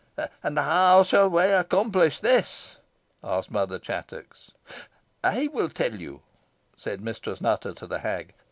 "And how shall we accomplish this?" asked Mother Chattox. "I will tell you," said Mistress Nutter to the hag.